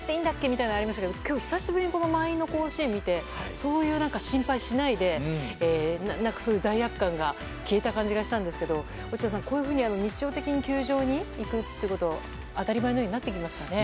みたいなのがありましたけど今日、久しぶりに満員の甲子園を見てそういう心配をしないで罪悪感が消えた感じがしたんですけど落合さん、こういうふうに日常的に球場に行くってことが当たり前のようになってきましたね。